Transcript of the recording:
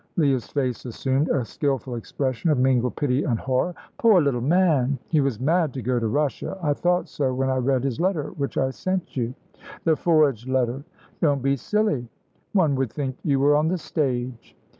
Leah's face assumed a skilful expression of mingled pity and horror. "Poor little man! He was mad to go to Russia. I thought so when I read his letter, which I sent you." "The forged letter." "Don't be silly; one would think you were on the stage."